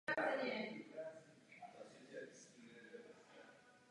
Přátelil se s Giovannim da San Giovannim.